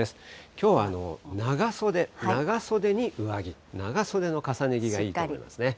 きょうは長袖、長袖に上着、長袖の重ね着がいいと思いますね。